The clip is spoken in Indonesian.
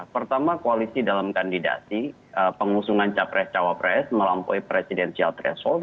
pertama koalisi dalam kandidasi pengusungan capres cawapres melampaui presidensial threshold